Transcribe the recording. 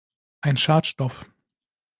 Ein Schadstoff!